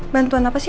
bantuan apa sih